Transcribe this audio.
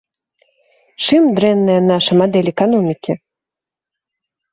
Чым дрэнная наша мадэль эканомікі?